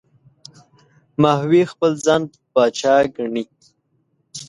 ماهوی خپل ځان پاچا ګڼي.